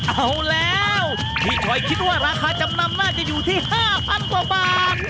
เอาแล้วพี่คอยคิดว่าราคาจำนำน่าจะอยู่ที่๕๐๐กว่าบาท